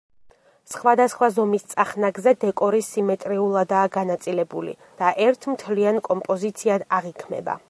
სხვადასხვა ზომის წახნაგზე დეკორი სიმეტრიულადაა განაწილებული და ერთ მთლიან კომპოზიციად აღიქმება.